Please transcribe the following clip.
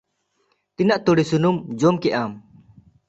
ᱛᱤᱱᱟᱹᱜ ᱛᱩᱲᱤ ᱥᱩᱱᱩᱢ ᱡᱚᱢ ᱠᱮᱜᱼᱟᱢ᱾